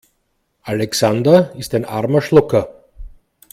Alexander ist ein armer Schlucker.